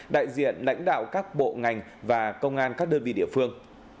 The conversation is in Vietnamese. đại diện lãnh đạo các bộ ngành và công an các đơn vị địa phương